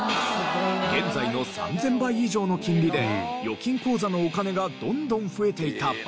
現在の３０００倍以上の金利で預金口座のお金がどんどん増えていたバブル期。